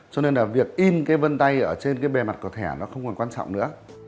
cho nên là việc in cái vân tay ở trên cái bề mặt của thẻ nó không còn quan trọng nữa